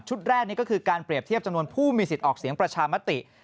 แรกนี้ก็คือการเปรียบเทียบจำนวนผู้มีสิทธิ์ออกเสียงประชามติ